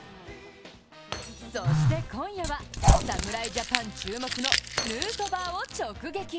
そして今夜は、侍ジャパン注目のヌートバーを直撃。